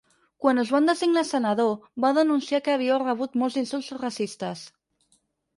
Quan us van designar senador, vau denunciar que havíeu rebut molts insults racistes.